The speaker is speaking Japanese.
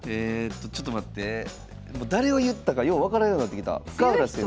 ちょっと待って誰を言ったかよう分からんようなってきた。